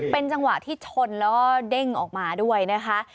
เป็นจังหวะที่ชนแล้วก็เด้งออกมาด้วยนะคะ